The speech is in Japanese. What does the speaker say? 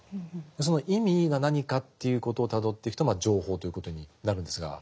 その意味が何かということをたどっていくと情報ということになるんですが。